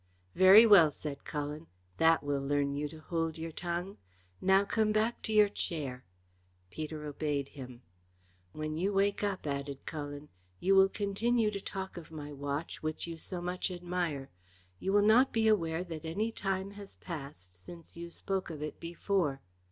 "Very well," said Cullen. "That will learn you to hold your tongue. Now come back to your chair." Peter obeyed him again. "When you wake up," added Cullen, "you will continue to talk of my watch which you so much admire. You will not be aware that any time has passed since you spoke of it before.